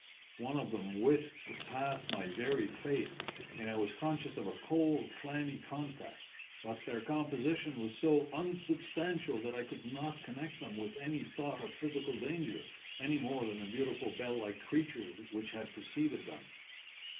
One of them whisked past my very face, and I was conscious of a cold, clammy contact, but their composition was so unsubstantial that I could not connect them with any thought of physical danger, any more than the beautiful bell like creatures which had preceded them.